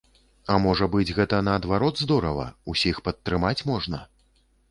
А можа быць, гэта наадварот здорава, усіх падтрымаць можна?